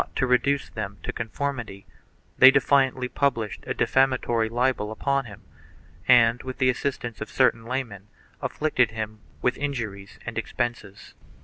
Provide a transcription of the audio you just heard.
IV] JUDAISM OF CONVERSOS 147 reduce them to conformity, they defiantly published a defamatory libel upon him and, with the assistance of certain laymen, afflicted him with injuries and expenses.